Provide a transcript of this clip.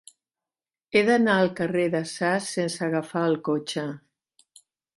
He d'anar al carrer de Sas sense agafar el cotxe.